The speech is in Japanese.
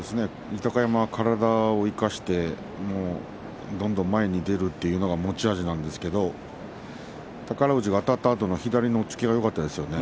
豊山は体を生かしてどんどん前に出るというのが持ち味なんですけれども宝富士のあたったあと左の押っつけがよかったですよね。